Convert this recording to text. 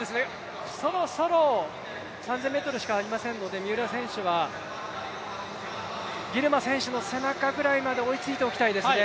そろそろ３０００ｍしかありませんので三浦選手はギルマ選手の背中くらいまで追いついておきたいですね。